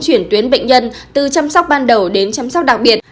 chuyển tuyến bệnh nhân từ chăm sóc ban đầu đến chăm sóc đặc biệt